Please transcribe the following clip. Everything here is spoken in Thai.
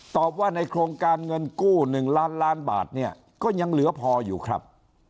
ตอบว่าในโครงการเงินกู้๑ล้านล้านบาทเนี่ยก็ยังเหลือพออยู่ครับ